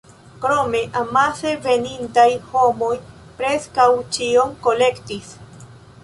Krome, amase venintaj homoj preskaŭ ĉion kolektis.